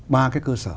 ba cái cơ sở